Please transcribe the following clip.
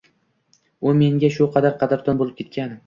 U menga shu qadar qadrdon boʻlib ketgan